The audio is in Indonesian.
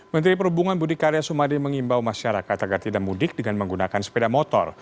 menteri perhubungan budi karya sumadi mengimbau masyarakat agar tidak mudik dengan menggunakan sepeda motor